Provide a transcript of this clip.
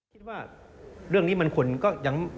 คิดว่าเรื่องนี้มันคนก็ยัง